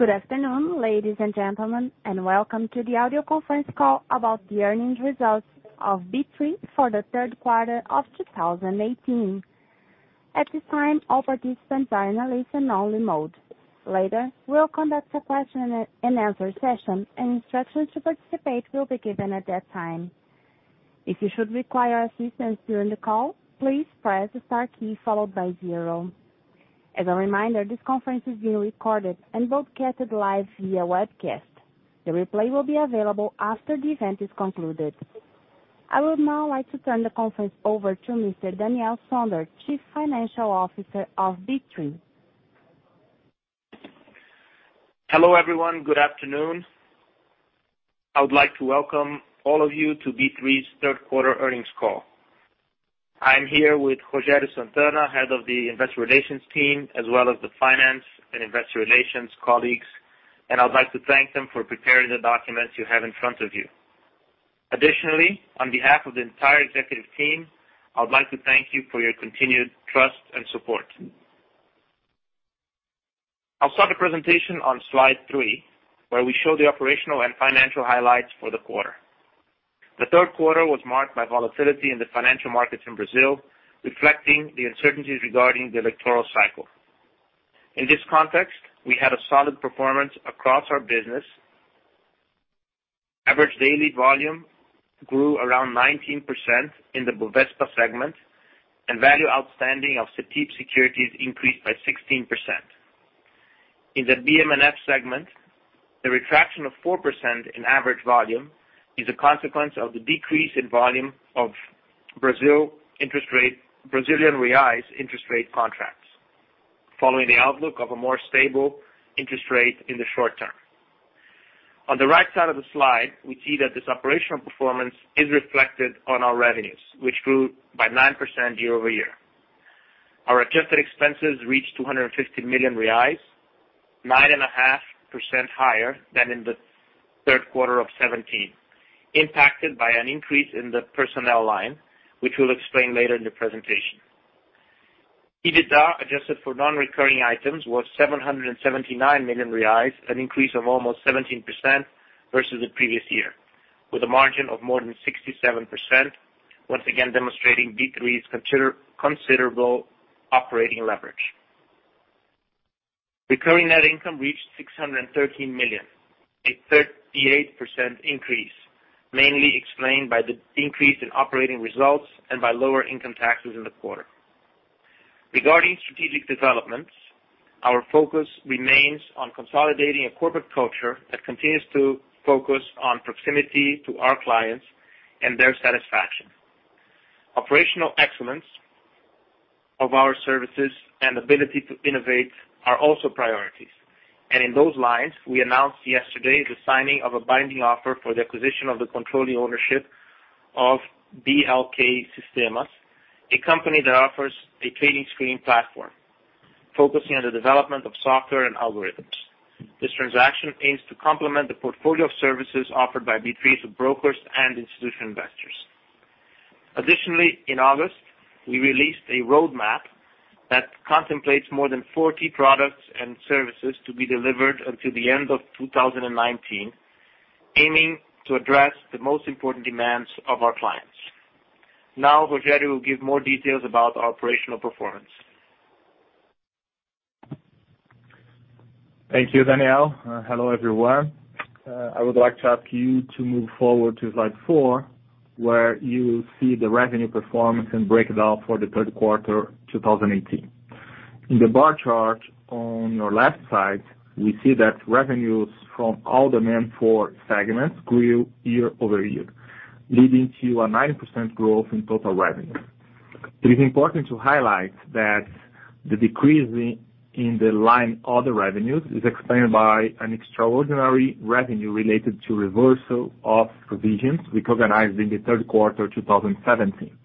Good afternoon, ladies and gentlemen, and welcome to the Audio Conference Call about the Earnings Results of B3 for the Third Quarter of 2018. At this time, all participants are in a listen-only mode. Later, we'll conduct a question-and-answer session, and instructions to participate will be given at that time. If you should require assistance during the call, please press the star key followed by zero. As a reminder, this conference is being recorded and broadcast live via webcast. The replay will be available after the event is concluded. I would now like to turn the conference over to Mr. Daniel Sonder, Chief Financial Officer of B3. Hello, everyone. Good afternoon. I would like to welcome all of you to B3's third quarter earnings call. I am here with Rogério Santana, Head of the Investor Relations team, as well as the finance and investor relations colleagues, and I'd like to thank them for preparing the documents you have in front of you. Additionally, on behalf of the entire executive team, I would like to thank you for your continued trust and support. I'll start the presentation on slide three, where we show the operational and financial highlights for the quarter. The third quarter was marked by volatility in the financial markets in Brazil, reflecting the uncertainties regarding the electoral cycle. In this context, we had a solid performance across our business. Average daily volume grew around 19% in the Bovespa segment, and value outstanding of Cetip securities increased by 16%. In the BM&F segment, the retraction of 4% in average volume is a consequence of the decrease in volume of Brazilian reais interest rate contracts, following the outlook of a more stable interest rate in the short-term. On the right side of the slide, we see that this operational performance is reflected on our revenues, which grew by 9% year-over-year. Our adjusted expenses reached 250 million reais, 9.5% higher than in the third quarter of 2017, impacted by an increase in the personnel line, which we'll explain later in the presentation. EBITDA adjusted for non-recurring items was 779 million reais, an increase of almost 17% versus the previous year, with a margin of more than 67%, once again demonstrating B3's considerable operating leverage. Recurring net income reached 613 million, a 38% increase, mainly explained by the increase in operating results and by lower income taxes in the quarter. Regarding strategic developments, our focus remains on consolidating a corporate culture that continues to focus on proximity to our clients and their satisfaction. Operational excellence of our services and ability to innovate are also priorities. In those lines, we announced yesterday the signing of a binding offer for the acquisition of the controlling ownership of BLK Sistemas, a company that offers a trading screen platform focusing on the development of software and algorithms. This transaction aims to complement the portfolio of services offered by B3 to brokers and institutional investors. Additionally, in August, we released a roadmap that contemplates more than 40 products and services to be delivered until the end of 2019, aiming to address the most important demands of our clients. Now, Rogério will give more details about our operational performance. Thank you, Daniel. Hello, everyone. I would like to ask you to move forward to slide four, where you will see the revenue performance and breakdown for the third quarter 2018. In the bar chart on your left side, we see that revenues from all demand for segments grew year-over-year, leading to a 9% growth in total revenue. It is important to highlight that the decrease in the line other revenues is explained by an extraordinary revenue related to reversal of provisions recognized in the third quarter of 2017.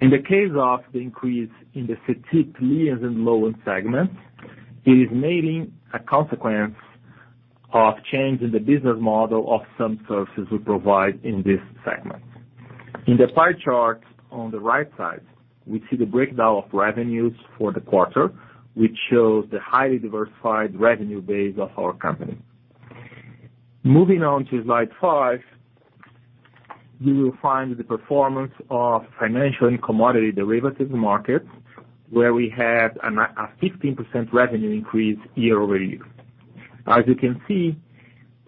In the case of the increase in the Cetip liens and financing segment, it is mainly a consequence of changes in the business model of some services we provide in this segment. In the pie chart on the right side, we see the breakdown of revenues for the quarter, which shows the highly diversified revenue base of our company. Moving on to slide five, you will find the performance of financial and commodity derivatives markets, where we had a 15% revenue increase year-over-year. As you can see,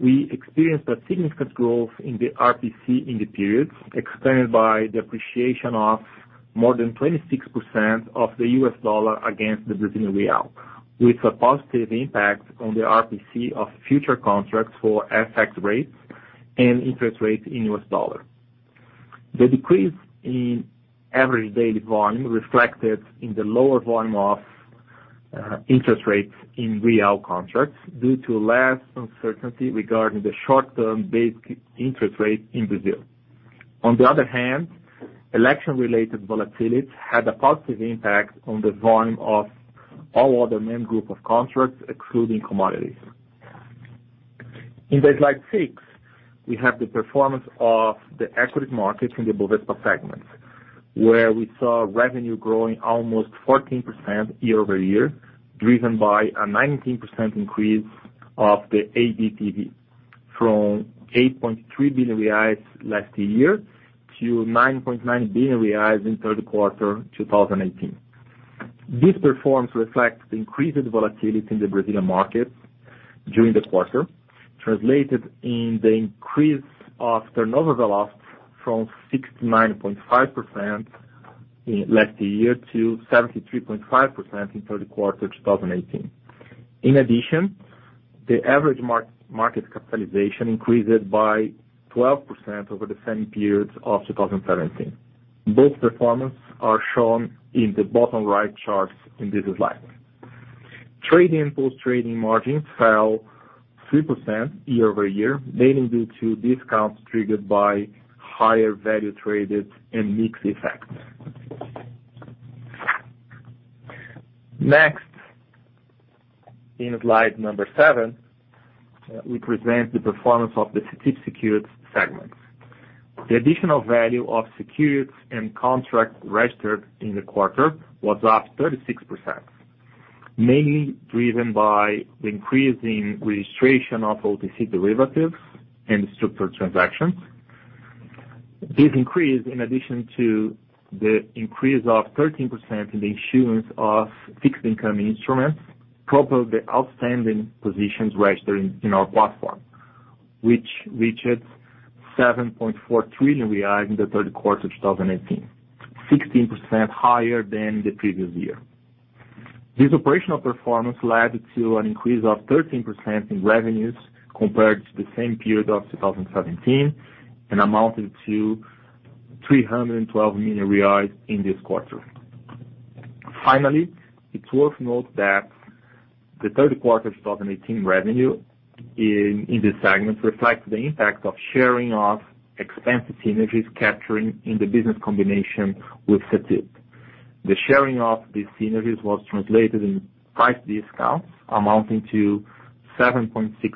we experienced a significant growth in the RPC in the period, explained by the appreciation of more than 26% of the U.S. dollar against the Brazilian real, with a positive impact on the RPC of future contracts for FX rates and interest rates in U.S. dollars. The decrease in average daily volume reflected in the lower volume of interest rates in BRL contracts due to less uncertainty regarding the short-term basic interest rate in Brazil. On the other hand, election-related volatility had a positive impact on the volume of all other main group of contracts, excluding commodities. In slide six, we have the performance of the equity market in the Bovespa segments, where we saw revenue growing almost 14% year-over-year, driven by a 19% increase of the ADTV from 8.3 billion reais last year to 9.9 billion reais in third quarter 2018. This performance reflects the increased volatility in the Brazilian market during the quarter, translated in the increase of turnover velocity from 69.5% last year to 73.5% in third quarter 2018. In addition, the average market capitalization increased by 12% over the same period of 2017. Both performance are shown in the bottom right charts in this slide. Trading plus trading margins fell 3% year-over-year, mainly due to discounts triggered by higher value traded and mixed effects. In slide seven, we present the performance of the Cetip Securities segment. The additional value of securities and contracts registered in the quarter was up 36%, mainly driven by the increase in registration of OTC derivatives and structured transactions. This increase, in addition to the increase of 13% in the issuance of fixed income instruments, propelled the outstanding positions registered in our platform, which reached 7.4 trillion in the third quarter of 2018, 16% higher than the previous year. This operational performance led to an increase of 13% in revenues compared to the same period of 2017 and amounted to 312 million reais in this quarter. It's worth note that the third quarter of 2018 revenue in this segment reflects the impact of sharing of expense synergies capturing in the business combination with Cetip. The sharing of these synergies was translated in price discounts amounting to 7.6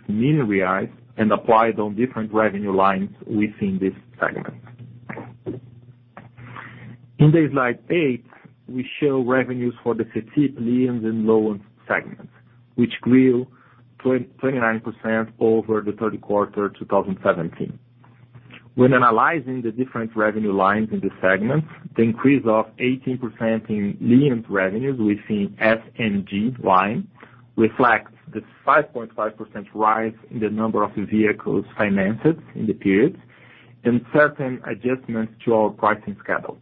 million reais and applied on different revenue lines within this segment. In slide eight, we show revenues for the Cetip liens and financing segment, which grew 29% over the third quarter 2017. When analyzing the different revenue lines in this segment, the increase of 18% in loans revenues within SNG line reflects the 5.5% rise in the number of vehicles financed in the period and certain adjustments to our pricing schedule.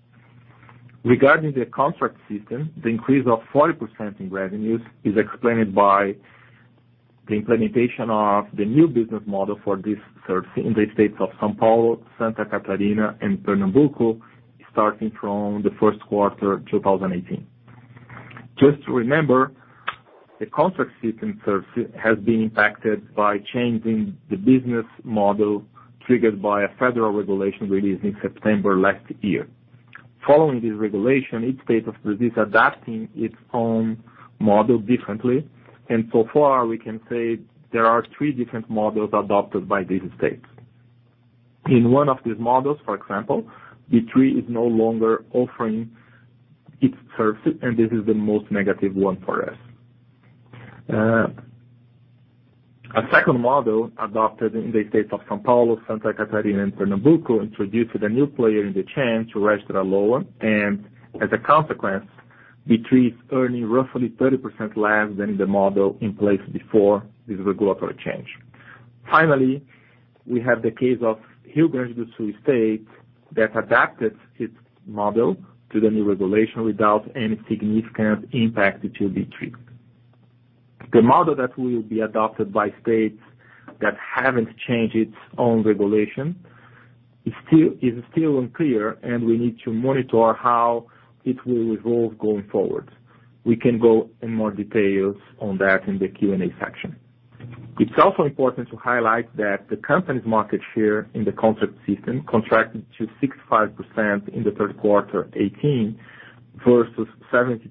Regarding the Gravame system, the increase of 40% in revenues is explained by the implementation of the new business model for this service in the states of São Paulo, Santa Catarina, and Pernambuco, starting from the first quarter of 2018. Just to remember, the Gravame system service has been impacted by changing the business model triggered by a federal regulation released in September last year. Following this regulation, each state is adapting its own model differently, and so far, we can say there are three different models adopted by these states. In one of these models, for example, B3 is no longer offering its service, and this is the most negative one for us. A second model adopted in the states of São Paulo, Santa Catarina, and Pernambuco introduced a new player in the chain to register a loan, and as a consequence, B3 is earning roughly 30% less than the model in place before this regulatory change. We have the case of Rio Grande do Sul state that adapted its model to the new regulation without any significant impact to B3. The model that will be adopted by states that haven't changed its own regulation is still unclear, and we need to monitor how it will evolve going forward. We can go in more details on that in the Q&A section. It's also important to highlight that the company's market share in the Gravame system contracted to 65% in the third quarter 2018 versus 72%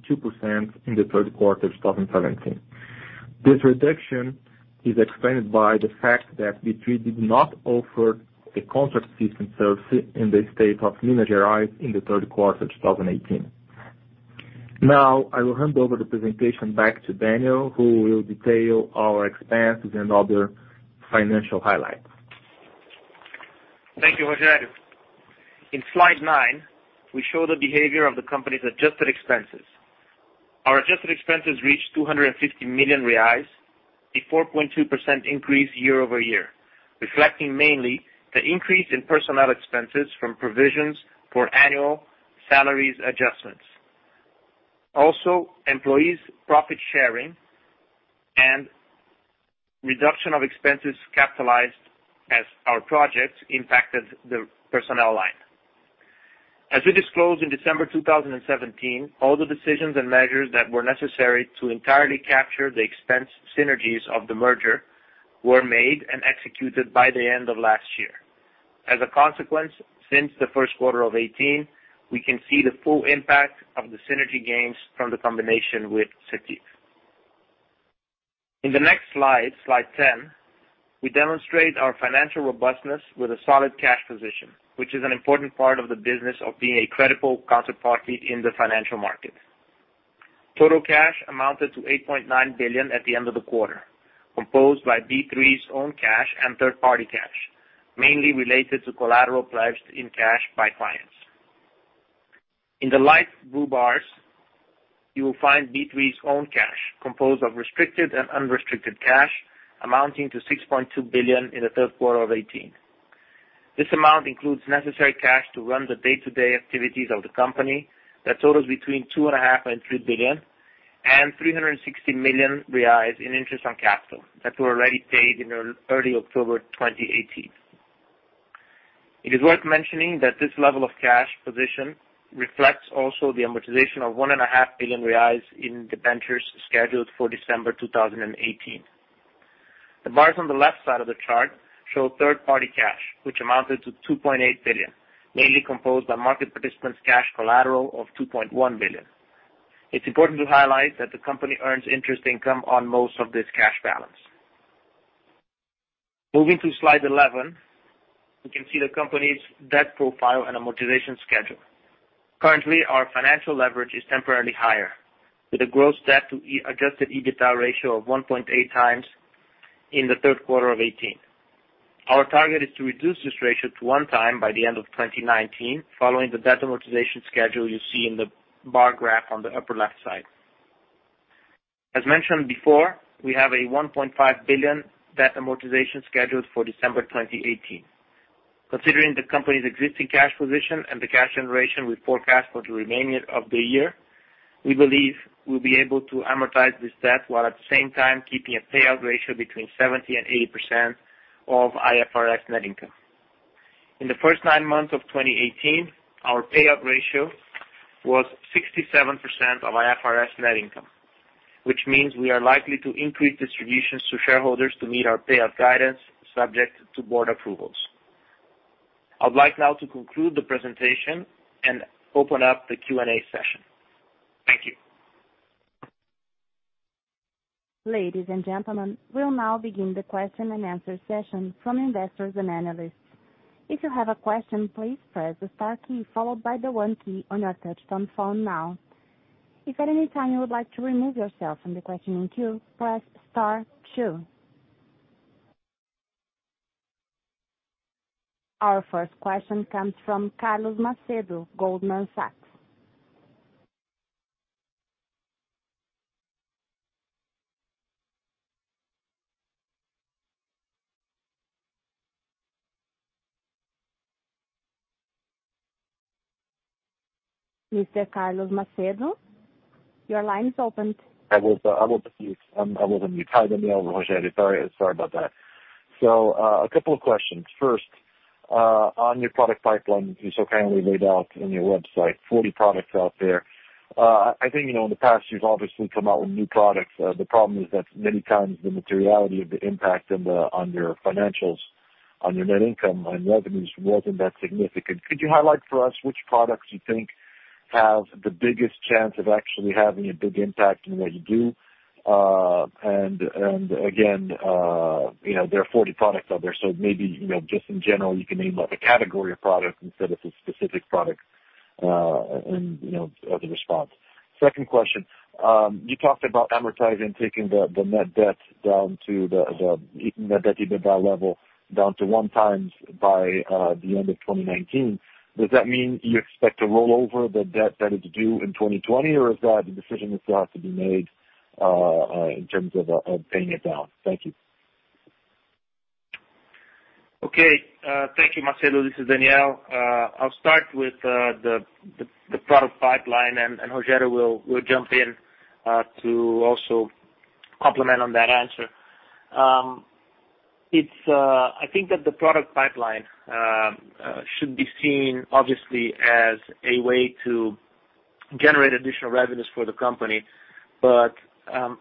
in the third quarter 2017. This reduction is explained by the fact that B3 did not offer a Gravame system service in the state of Minas Gerais in the third quarter 2018. I will hand over the presentation back to Daniel, who will detail our expenses and other financial highlights. Thank you, Rogério. In slide nine, we show the behavior of the company's adjusted expenses. Our adjusted expenses reached 250 million reais, a 4.2% increase year-over-year, reflecting mainly the increase in personnel expenses from provisions for annual salaries adjustments. Employees' profit sharing and reduction of expenses capitalized as our projects impacted the personnel line. As we disclosed in December 2017, all the decisions and measures that were necessary to entirely capture the expense synergies of the merger were made and executed by the end of last year. As a consequence, since the first quarter of 2018, we can see the full impact of the synergy gains from the combination with Cetip. In the next slide 10, we demonstrate our financial robustness with a solid cash position, which is an important part of the business of being a credible counterparty in the financial market. Total cash amounted to 8.9 billion at the end of the quarter, composed by B3's own cash and third-party cash, mainly related to collateral pledged in cash by clients. In the light blue bars, you will find B3's own cash, composed of restricted and unrestricted cash amounting to 6.2 billion in the third quarter of 2018. This amount includes necessary cash to run the day-to-day activities of the company that totals between 2.5 billion and 3 billion and 360 million reais in interest on capital that were already paid in early October 2018. It is worth mentioning that this level of cash position reflects also the amortization of 1.5 billion reais in debentures scheduled for December 2018. The bars on the left side of the chart show third-party cash, which amounted to 2.8 billion, mainly composed by market participants' cash collateral of 2.1 billion. It's important to highlight that the company earns interest income on most of this cash balance. Moving to slide 11, we can see the company's debt profile and amortization schedule. Currently, our financial leverage is temporarily higher with a gross debt to adjusted EBITDA ratio of 1.8x in the third quarter of 2018. Our target is to reduce this ratio to 1x by the end of 2019, following the debt amortization schedule you see in the bar graph on the upper left side. As mentioned before, we have a 1.5 billion debt amortization scheduled for December 2018. Considering the company's existing cash position and the cash generation we forecast for the remainder of the year, we believe we will be able to amortize this debt, while at the same time keeping a payout ratio between 70% and 80% of IFRS net income. In the first nine months of 2018, our payout ratio was 67% of IFRS net income, which means we are likely to increase distributions to shareholders to meet our payout guidance subject to board approvals. I would like now to conclude the presentation and open up the Q&A session. Thank you. Ladies and gentlemen, we will now begin the question and answer session from investors and analysts. If you have a question, please press the star key followed by the one key on your touchtone phone now. If at any time you would like to remove yourself from the questioning queue, press star two. Our first question comes from Carlos Macedo, Goldman Sachs. Mr. Carlos Macedo, your line is opened. I will put you. I will then mute. Hi, Daniel. Rogério. Sorry about that. A couple of questions. First, on your product pipeline, you so kindly laid out on your website, 40 products out there. I think, in the past, you have obviously come out with new products. The problem is that many times the materiality of the impact on your financials, on your net income, on revenues was not that significant. Could you highlight for us which products you think have the biggest chance of actually having a big impact in what you do? Again, there are 40 products out there, so maybe, just in general, you can name out a category of products instead of a specific product as a response. Second question, you talked about advertising, taking the net debt down to the net debt-EBITDA level down to one times by the end of 2019. Does that mean you expect to roll over the debt that is due in 2020, or is that a decision that still has to be made in terms of paying it down? Thank you. Okay. Thank you, Carlos. This is Daniel. Rogério will jump in to also complement on that answer. I think that the product pipeline should be seen obviously as a way to generate additional revenues for the company,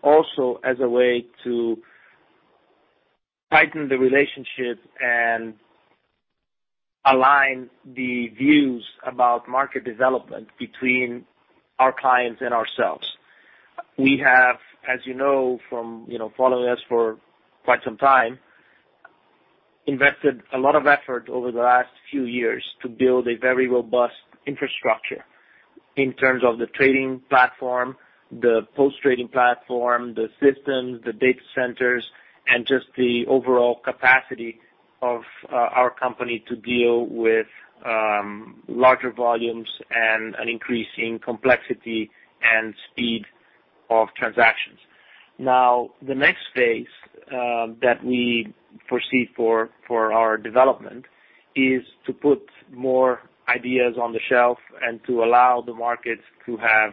also as a way to tighten the relationship and align the views about market development between our clients and ourselves. We have, as you know from following us for quite some time, invested a lot of effort over the last few years to build a very robust infrastructure in terms of the trading platform, the post-trading platform, the systems, the data centers, and just the overall capacity of our company to deal with larger volumes and an increase in complexity and speed of transactions. Now, the next phase that we foresee for our development is to put more ideas on the shelf and to allow the markets to have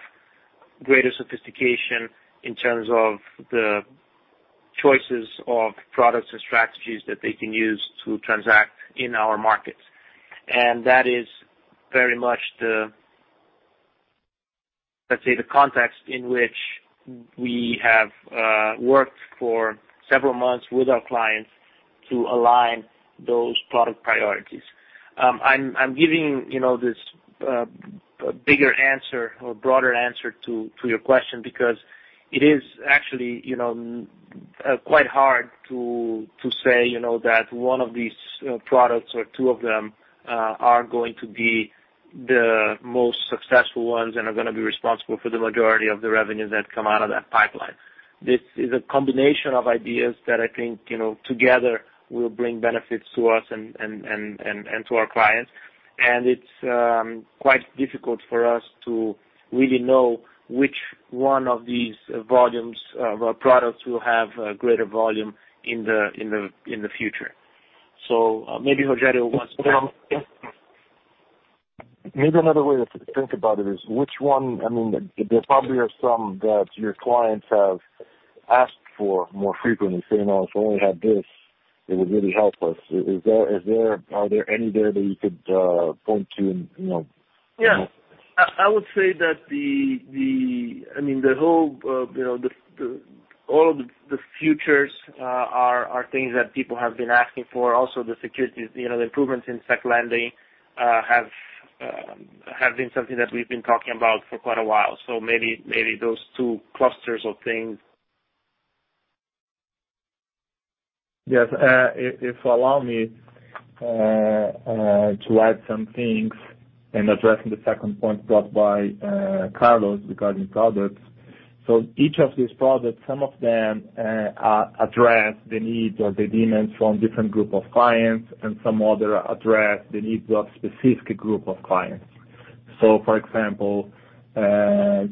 greater sophistication in terms of the choices of products and strategies that they can use to transact in our markets. That is very much the, let's say, the context in which we have worked for several months with our clients to align those product priorities. I'm giving this bigger answer or broader answer to your question because it is actually quite hard to say that one of these products or two of them are going to be the most successful ones and are going to be responsible for the majority of the revenue that come out of that pipeline. This is a combination of ideas that I think, together, will bring benefits to us and to our clients. It's quite difficult for us to really know which one of these volumes of our products will have a greater volume in the future. Maybe Rogério. Maybe another way to think about it is which one there probably are some that your clients have asked for more frequently, saying, "If only had this, it would really help us." Are there any there that you could point to? I would say that all of the futures are things that people have been asking for. Also the improvements in Securities Lending have been something that we've been talking about for quite a while. Maybe those two clusters of things. If allow me to add some things in addressing the second point brought by Carlos regarding products. Each of these products, some of them address the needs or the demands from different group of clients, and some others address the needs of specific group of clients. For example,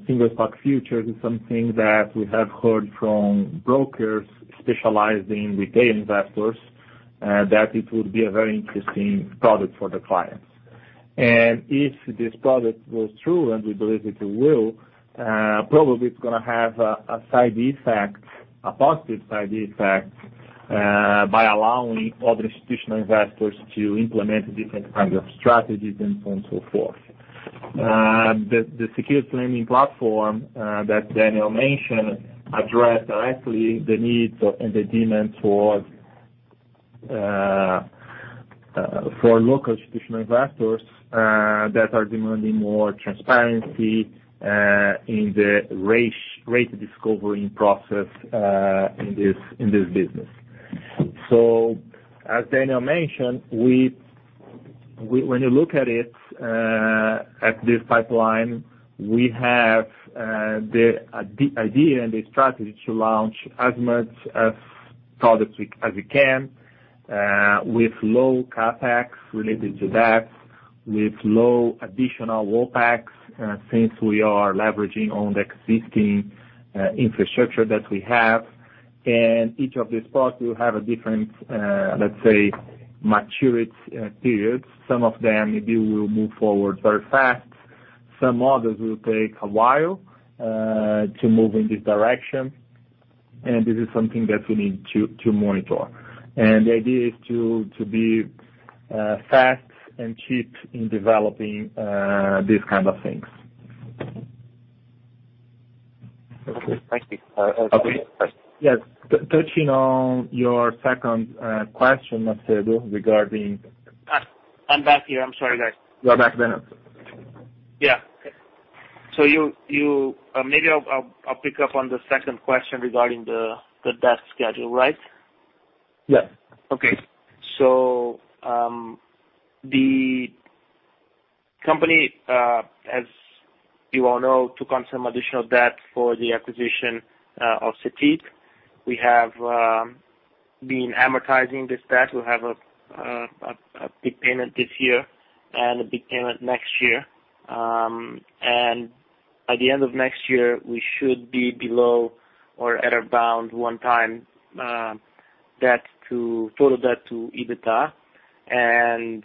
single stock futures is something that we have heard from brokers specializing retail investors, that it would be a very interesting product for the clients. If this product goes through, and we believe it will, probably it's going to have a positive side effect, by allowing other institutional investors to implement different kinds of strategies and so on and so forth. The secured lending platform that Daniel mentioned address directly the needs and the demand for local institutional investors that are demanding more transparency in the rate discovering process in this business. As Daniel mentioned, when you look at this pipeline, we have the idea and the strategy to launch as much of products as we can with low CapEx related to that, with low additional OpEx, since we are leveraging on the existing infrastructure that we have. Each of these products will have a different, let's say, maturity period. Some of them maybe will move forward very fast. Some others will take a while to move in this direction. This is something that we need to monitor. The idea is to be fast and cheap in developing these kind of things. Thank you. Okay. Yes. Touching on your second question, Macedo, regarding- I'm back here. I'm sorry, guys. You are back, Daniel? Yeah. Okay. Maybe I'll pick up on the second question regarding the debt schedule, right? Yeah. The company, as you all know, took on some additional debt for the acquisition of Cetip. We have been amortizing this debt. We have a big payment this year and a big payment next year. By the end of next year, we should be below or at around one time total debt to EBITDA, and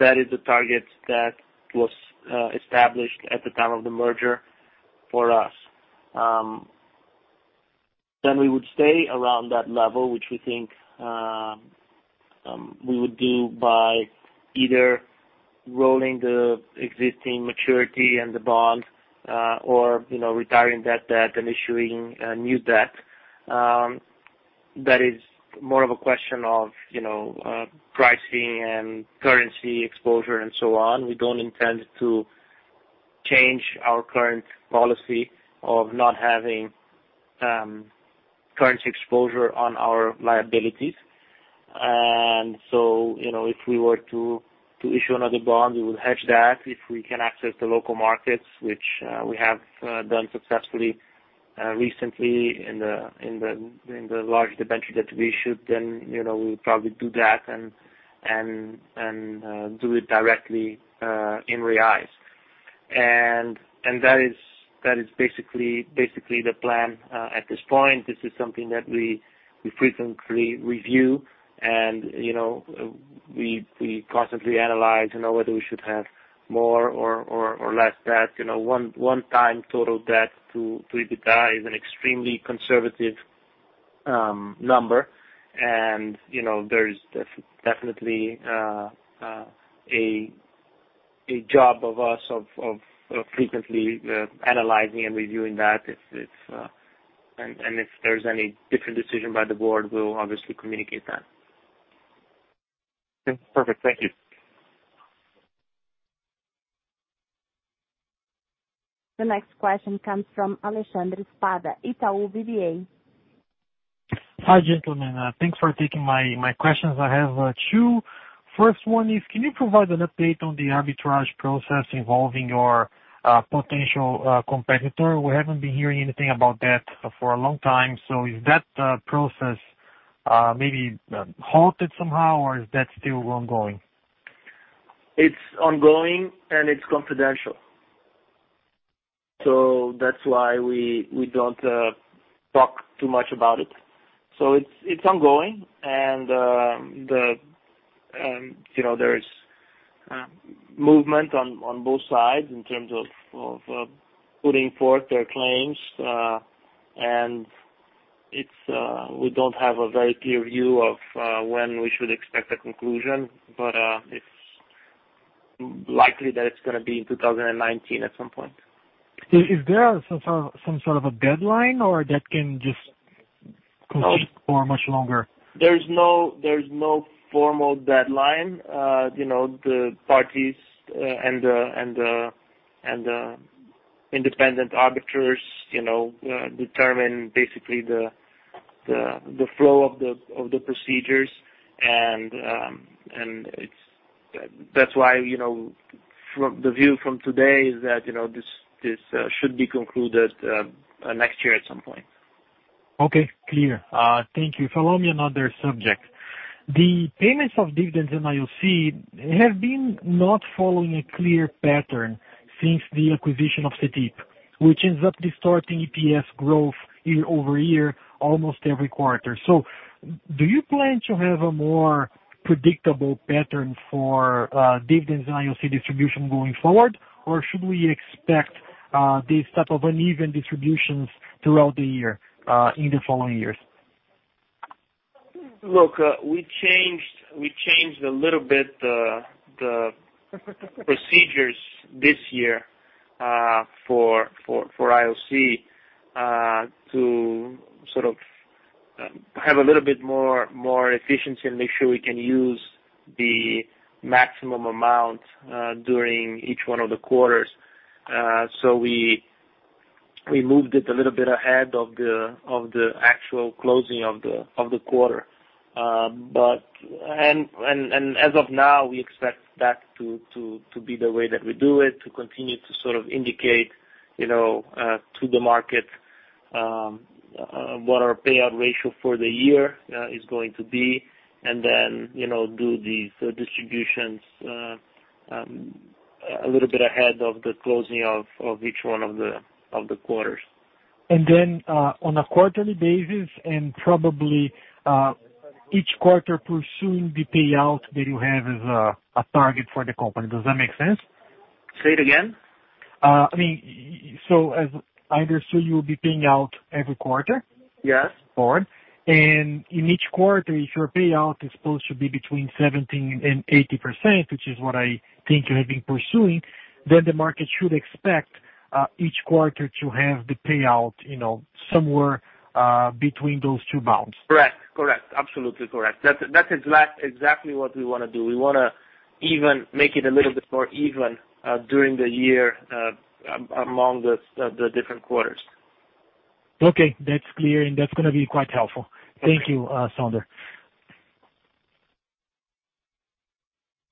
that is the target that was established at the time of the merger for us. We would stay around that level, which we think we would do by either rolling the existing maturity and the bond, or retiring that debt and issuing new debt. That is more of a question of pricing and currency exposure and so on. We don't intend to change our current policy of not having currency exposure on our liabilities. If we were to issue another bond, we would hedge that. If we can access the local markets, which we have done successfully recently in the large debenture that we issued, then we would probably do that, and do it directly in reais. That is basically the plan at this point. This is something that we frequently review, and we constantly analyze whether we should have more or less debt. One time total debt to EBITDA is an extremely conservative number. There's definitely a job of us of frequently analyzing and reviewing that. If there's any different decision by the board, we'll obviously communicate that. Perfect. Thank you. The next question comes from Alexandre Spada, Itaú BBA. Hi, gentlemen. Thanks for taking my questions. I have two. First one is, can you provide an update on the arbitrage process involving your potential competitor? We haven't been hearing anything about that for a long time. Is that process maybe halted somehow, or is that still ongoing? It's ongoing, it's confidential. That's why we don't talk too much about it. It's ongoing, there's movement on both sides in terms of putting forth their claims. We don't have a very clear view of when we should expect a conclusion, but it's likely that it's going to be in 2019 at some point. Is there some sort of a deadline, or that can just- No continue for much longer? There's no formal deadline. The parties and the independent arbiters determine basically the flow of the procedures. That's why the view from today is that this should be concluded next year at some point. Okay. Clear. Thank you. Follow me on other subject. The payments of dividends and JCP have been not following a clear pattern since the acquisition of Cetip, which ends up distorting EPS growth year-over-year almost every quarter. Do you plan to have a more predictable pattern for dividends and JCP distribution going forward, or should we expect these type of uneven distributions throughout the year, in the following years? Look, we changed a little bit the procedures this year for JCP to sort of have a little bit more efficiency and make sure we can use the maximum amount during each one of the quarters. We moved it a little bit ahead of the actual closing of the quarter. As of now, we expect that to be the way that we do it, to continue to sort of indicate to the market what our payout ratio for the year is going to be, and then do the distributions a little bit ahead of the closing of each one of the quarters. On a quarterly basis, and probably, each quarter pursuing the payout that you have as a target for the company. Does that make sense? Say it again. I understood you will be paying out every quarter? Yes. Forward. In each quarter, if your payout is supposed to be between 70% and 80%, which is what I think you have been pursuing, the market should expect each quarter to have the payout somewhere between those two bounds. Correct. Absolutely correct. That's exactly what we want to do. We want to even make it a little bit more even during the year among the different quarters. Okay. That's clear, and that's going to be quite helpful. Thank you, Sonder.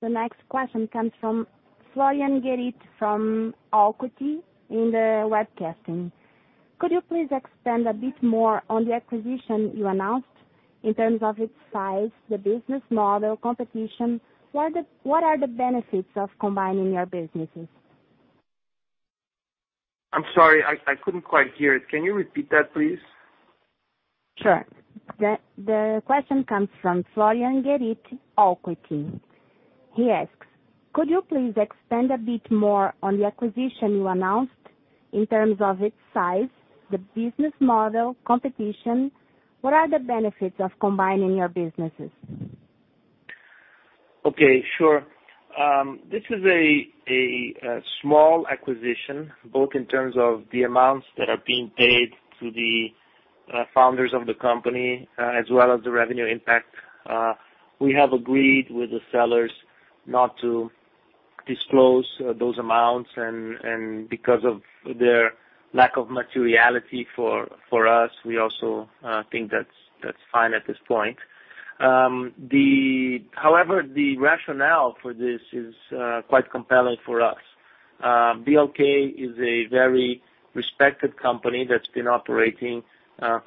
The next question comes from Florian Gueritte from Alquity in the webcasting. Could you please expand a bit more on the acquisition you announced in terms of its size, the business model, competition? What are the benefits of combining your businesses? I'm sorry, I couldn't quite hear it. Can you repeat that, please? Sure. The question comes from Florian Gueritte, Alquity. He asks, could you please expand a bit more on the acquisition you announced in terms of its size, the business model, competition? What are the benefits of combining your businesses? Okay, sure. This is a small acquisition, both in terms of the amounts that are being paid to the founders of the company, as well as the revenue impact. We have agreed with the sellers not to disclose those amounts, and because of their lack of materiality for us, we also think that's fine at this point. The rationale for this is quite compelling for us. BLK is a very respected company that's been operating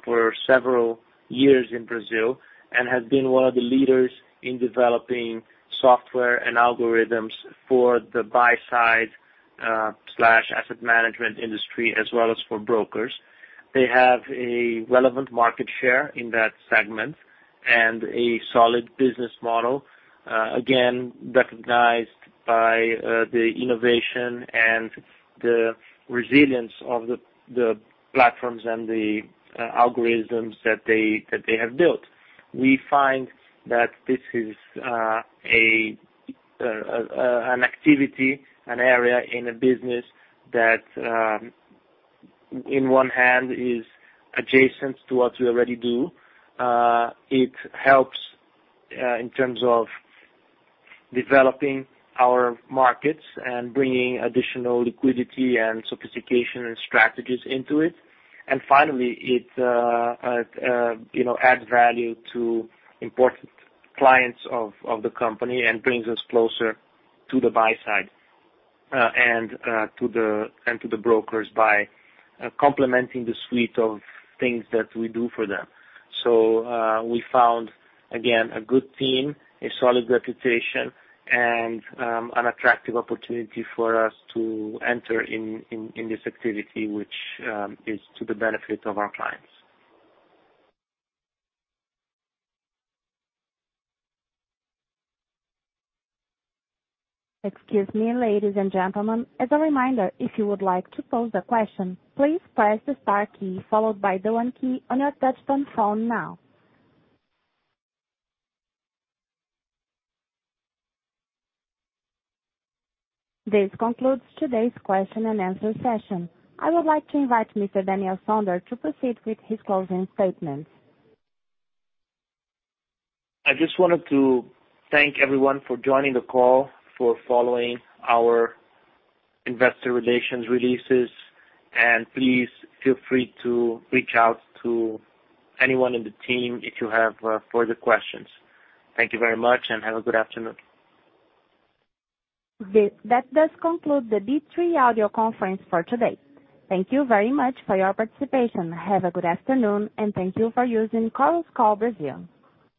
for several years in Brazil and has been one of the leaders in developing software and algorithms for the buy side/asset management industry, as well as for brokers. They have a relevant market share in that segment. A solid business model, again, recognized by the innovation and the resilience of the platforms and the algorithms that they have built. We find that this is an activity, an area in a business that, in one hand, is adjacent to what we already do. It helps in terms of developing our markets and bringing additional liquidity and sophistication and strategies into it. Finally, it adds value to important clients of the company and brings us closer to the buy side and to the brokers by complementing the suite of things that we do for them. We found, again, a good team, a solid reputation, and an attractive opportunity for us to enter in this activity, which is to the benefit of our clients. Excuse me, ladies and gentlemen, as a reminder, if you would like to pose a question, please press the star key followed by the one key on your touchtone phone now. This concludes today's question and answer session. I would like to invite Mr. Daniel Sonder to proceed with his closing statements. I just wanted to thank everyone for joining the call, for following our investor relations releases, and please feel free to reach out to anyone in the team if you have further questions. Thank you very much and have a good afternoon. That does conclude the B3 audio conference for today. Thank you very much for your participation. Have a good afternoon, and thank you for using Chorus Call Brazil.